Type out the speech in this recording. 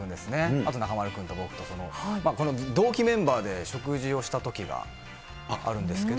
あと中丸君と僕と、その、同期メンバーで食事をしたときがあるんですけど。